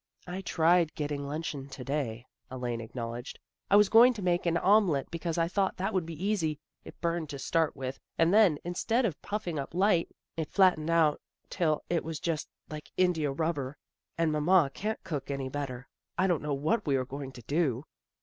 " I tried getting luncheon to day," Elaine acknowledged. " I was going to make an ome lette because I thought that would be easy. It burned to start with, and then instead of puffing up light, it flattened out till it was just like india rubber. And Mamma can't cook any better. I don't know what we are going to do."